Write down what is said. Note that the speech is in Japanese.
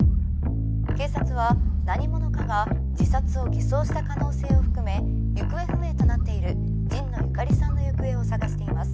警察は何者かが自殺を偽装した可能性を含め行方不明となっている神野由香里さんの行方を捜しています。